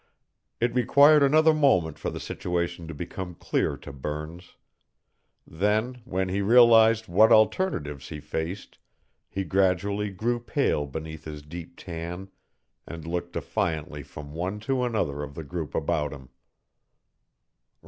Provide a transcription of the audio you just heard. It required another moment for the situation to become clear to Burns. Then, when he realized what alternatives he faced, he gradually grew pale beneath his deep tan and looked defiantly from one to another of the group about him.